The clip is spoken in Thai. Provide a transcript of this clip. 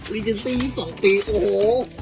๒๒ปีโอ้โห